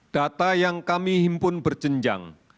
data yang kami himpun berjenjang